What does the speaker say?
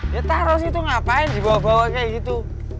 ya taro sih tuh ngapain dibawa bawa kayak gitu